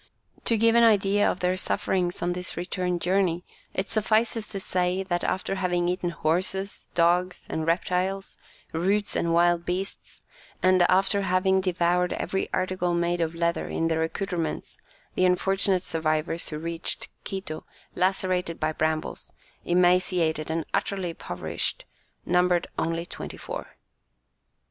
To give an idea of their sufferings on this return journey, it suffices to say that, after having eaten horses, dogs, and reptiles, roots, and wild beasts, and after having devoured every article made of leather in their accoutrements, the unfortunate survivors who reached Quito, lacerated by brambles, emaciated and utterly impoverished, numbered only twenty four.